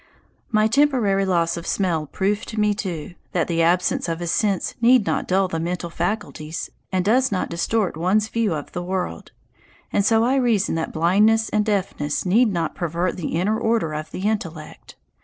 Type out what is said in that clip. My temporary loss of smell proved to me, too, that the absence of a sense need not dull the mental faculties and does not distort one's view of the world, and so I reason that blindness and deafness need not pervert the inner order of the intellect.